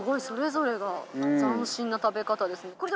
それぞれが斬新な食べ方ですね。